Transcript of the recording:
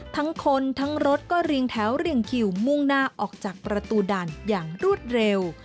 ทั้งคนทั้งรถก็เรียงแถวเรียงคิวมุ่งหน้าออกจากประตูด่านอย่างรวดเร็ว